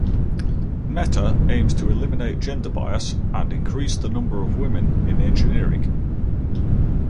Mehta aims to eliminate gender bias and increase the number of women in engineering.